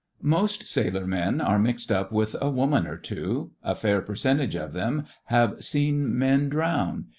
Most sailor men are mixed up with a woman or two; a fair percentage of them have seen men drown.